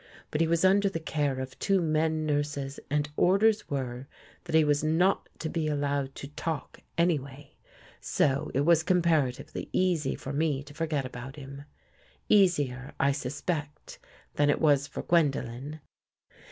But he was under the care of two men nurses and orders were that he was not to be allowed to talk anyway, so it was comparatively easy for me to forget about him — easier, I suspect, than it was for Gwendolen.